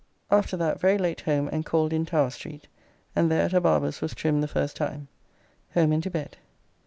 After that very late home and called in Tower Street, and there at a barber's was trimmed the first time. Home and to bed.